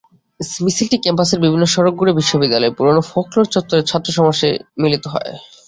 মিছিলটি ক্যাম্পাসের বিভিন্ন সড়ক ঘুরে বিশ্ববিদ্যালয়ের পুরোনো ফোকলোর চত্বরে ছাত্রসমাবেশে মিলিত হয়।